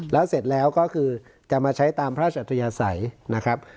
แล้วเสร็จแล้วก็คือจะมาใช้ตามพระราชอัตยาศัยนะครับ